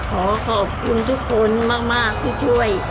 ขอขอบคุณทุกคนมากที่ช่วย